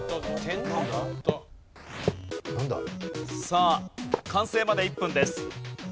さあ完成まで１分です。